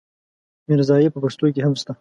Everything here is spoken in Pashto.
ميرزايي په پښتو کې هم شته.